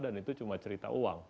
dan itu cuma cerita uang